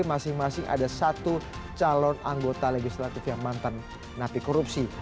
masing masing ada satu calon anggota legislatif yang mantan napi korupsi